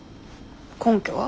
根拠は？